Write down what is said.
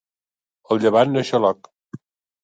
El llevant no és xaloc.